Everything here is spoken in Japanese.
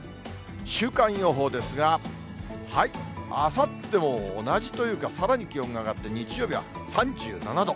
週間予報ですが、あさっても同じというか、さらに気温が上がって、日曜日は３７度。